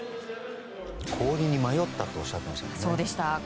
氷に迷ったとおっしゃってました。